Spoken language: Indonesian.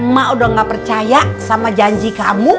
mak udah gak percaya sama janji kamu